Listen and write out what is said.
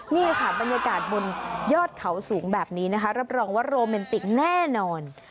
นี่ค่ะบรรยากาศบนยอดเขาสูงแบบนี้นะคะรับรองว่าโรแมนติกแน่นอน